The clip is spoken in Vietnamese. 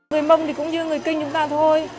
người mông cũng như người kinh chúng ta thôi